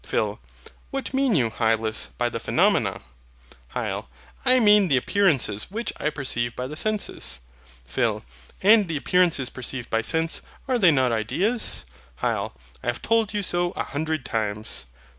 PHIL. What mean you, Hylas, by the PHENOMENA? HYL. I mean the appearances which I perceive by my senses. PHIL. And the appearances perceived by sense, are they not ideas? HYL. I have told you so a hundred times.